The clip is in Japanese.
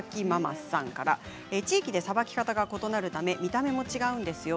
地域でさばき方が異なるため見た目も違います。